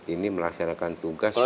ini melaksanakan tugas sampai